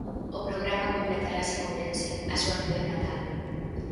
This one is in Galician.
O programa completarase en Ourense, a súa cidade natal.